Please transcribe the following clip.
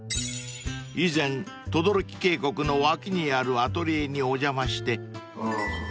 ［以前等々力渓谷の脇にあるアトリエにお邪魔して］